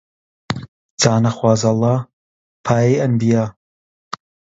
جا نەخوازەڵا پایەی ئەنبیا